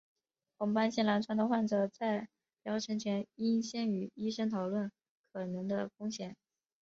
红斑性狼疮的患者在疗程前应先与医生讨论可能的风险。